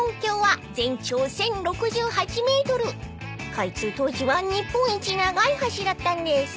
［開通当時は日本一長い橋だったんです］